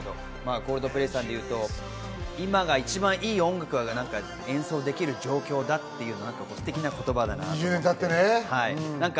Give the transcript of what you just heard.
コールドプレイさんは今が一番いい音楽が演奏できる状況だっていうのが、ステキな言葉ですね。